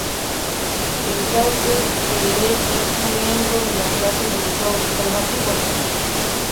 El fraude de ley es un miembro de la clase de los fraudes normativos.